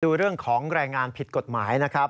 ดูเรื่องของแรงงานผิดกฎหมายนะครับ